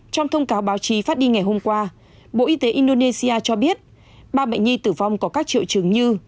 trong thông cáo báo chí phát đi ngày hôm qua bộ y tế indonesia cho biết ba bệnh nhi tử vong có các triệu chứng như